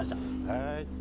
はい。